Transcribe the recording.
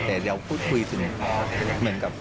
แต่เราพูดคุยสนิทเหมือนกับ